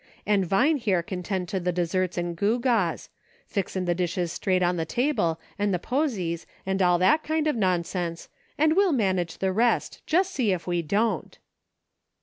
And Vine here can tend to the desserts and gewgaws — fixin' the dishes straight on the table, and the posies, and all that kind of nonsense, and we'll manage the rest ; jest see if we don't."